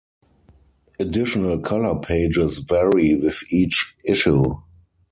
Additional color pages vary with each issue.